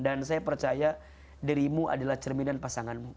dan saya percaya dirimu adalah cerminan pasanganmu